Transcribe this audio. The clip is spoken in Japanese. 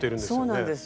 そうなんです。